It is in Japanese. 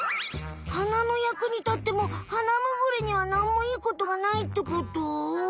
花の役に立ってもハナムグリにはなんもいいことがないってこと？